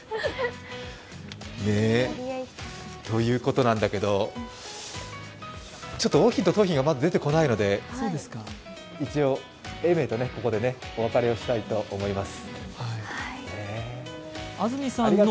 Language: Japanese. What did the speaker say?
ということなんだけどちょっと桜浜と桃浜がまだ出てこないので永明とここでお別れをしたいと思います。